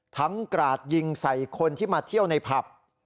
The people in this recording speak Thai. กราดยิงใส่คนที่มาเที่ยวในผับ